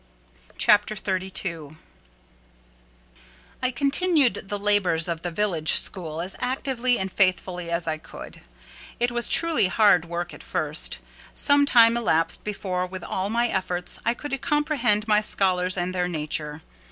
CHAPTER XXXII I continued the labours of the village school as actively and faithfully as I could. It was truly hard work at first. Some time elapsed before, with all my efforts, I could comprehend my scholars and their nature.